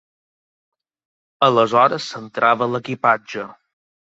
Aleshores s'entrava l'equipatge.